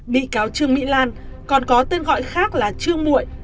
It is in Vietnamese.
bị cáo trương mỹ lan còn có tên gọi khác là trương mụi